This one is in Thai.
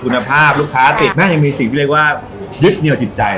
คุณภาพลูกค้าติดแม่ยังมีสิ่งที่เรียกว่ายึดเหนียวจิตใจ